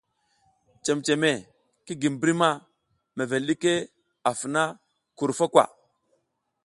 Cememe ki gi mbri ma mevel ɗiki funa krufo kwa.